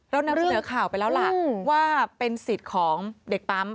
เรานำเสนอข่าวไปแล้วล่ะว่าเป็นสิทธิ์ของเด็กปั๊ม